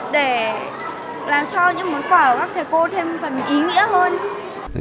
để làm cho những món quà của các thầy cô thêm phần ý nghĩa hơn